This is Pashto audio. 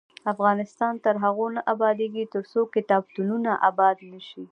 افغانستان تر هغو نه ابادیږي، ترڅو کتابتونونه اباد نشي.